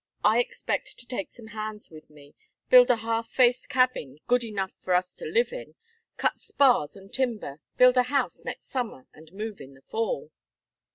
I expect to take some hands with me, build a half faced cabin, good enough for us to live in, cut spars and timber, build a house next summer, and move in the fall."